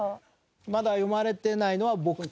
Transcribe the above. まだ詠まれてないのは僕と。